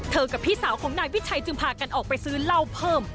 กับพี่สาวของนายวิชัยจึงพากันออกไปซื้อเหล้าเพิ่ม